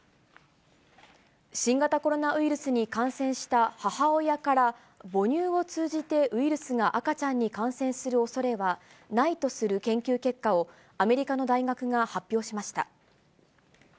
新型コロナウイルスに感染した母親から、母乳を通じてウイルスが赤ちゃんに感染するおそれはないとする研究結果を、アメリカの大学が発表しました。